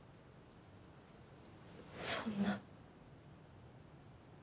そんな。